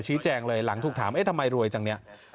ชี้แจงเลยหลังถูกถามเอ๊ะทำไมรวยจังเนี่ย